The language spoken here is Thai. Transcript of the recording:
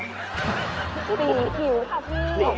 สี่ผิวค่ะพี่